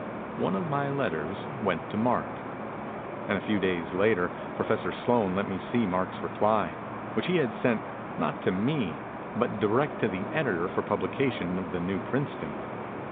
One of my let ters went to Mark; and a few days later Pro fessor Sloane let me see Mark's reply, which he had sent not to me but direct to the editor for publication in the New Princeton.